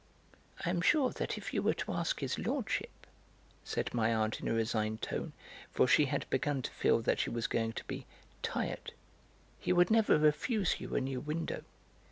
"I am sure that if you were to ask his Lordship," said my aunt in a resigned tone, for she had begun to feel that she was going to be 'tired,' "he would never refuse you a new window."